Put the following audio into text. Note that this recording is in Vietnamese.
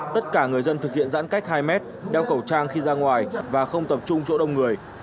tất cả người dân thực hiện giãn cách hai mét đeo khẩu trang khi ra ngoài và không tập trung chỗ đông người